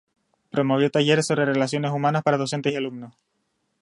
Promovió talleres sobre relaciones humanas para docentes y alumnos.